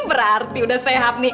berarti udah sehat nih